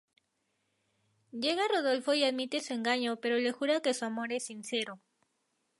Llega Rodolfo y admite su engaño pero le jura que su amor es sincero.